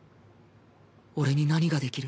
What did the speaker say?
俺に何ができる？